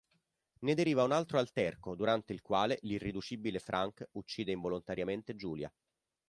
Ne deriva un altro alterco, durante il quale l'irriducibile Frank uccide involontariamente Julia.